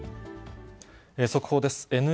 速報です。